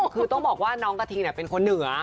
คือต้องบอกว่าน้องกระทิงเป็นคนเหนือ